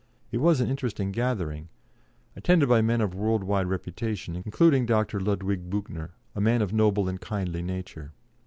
It was an interesting gathering, attended by men of world wide reputation, including Dr. Ludwig Büchner, a man of noble and kindly nature.